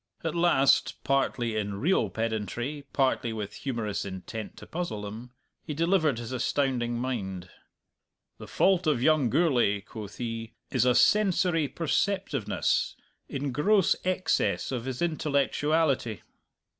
At last, partly in real pedantry, partly with humorous intent to puzzle them, he delivered his astounding mind. "The fault of young Gourlay," quoth he, "is a sensory perceptiveness in gross excess of his intellectuality."